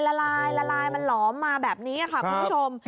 ละลายละลายมันหลอมมาแบบนี้ค่ะคุณผู้ชม